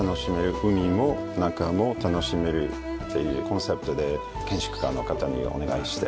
海も中も楽しめるっていうコンセプトで建築家の方にお願いして。